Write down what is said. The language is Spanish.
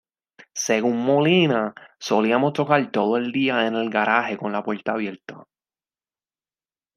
Según Molina: "Solíamos tocar todo el día en el garage con la puerta abierta.